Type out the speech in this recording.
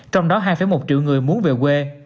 trong đó hai một triệu người muốn về quê